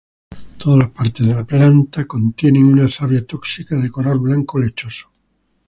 Todas las partes de la planta contienen una savia tóxica de color blanco lechoso.